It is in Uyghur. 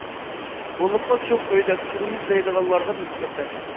بولۇپمۇ چوڭ ئۆيدە تۇرىمىز دەيدىغانلارغا نىسبەتەن.